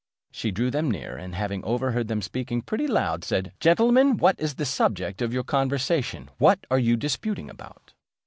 She drew near them, and having overheard them speaking pretty loud, said, "Gentlemen, what is the subject of your conversation? What are you disputing about?"